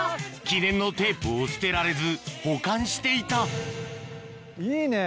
・記念のテープを捨てられず保管していたいいね。